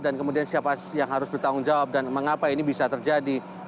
dan kemudian siapa yang harus bertanggung jawab dan mengapa ini bisa terjadi